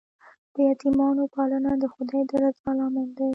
د یتیمانو پالنه د خدای د رضا لامل دی.